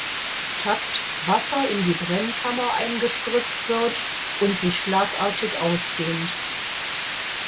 Takt Wasser in die Brennkammer eingespritzt wird und sich schlagartig ausdehnt.